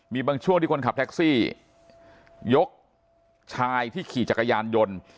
มีบางช่วงที่คนขับแท็กซี่ยกชายที่ขี่จักรยานยนต์